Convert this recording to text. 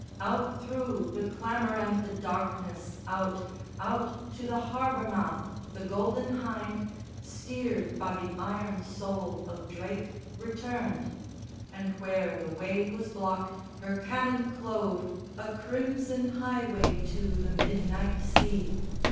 Out through the clamour and the darkness, out, Out to the harbour mouth, the Golden Hynde, Steered by the iron soul of Drake, returned: And where the way was blocked, her cannon clove A crimson highway to the midnight sea.